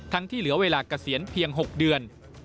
ทั้งที่เหลือเวลากระเสียนเพียง๖เดือน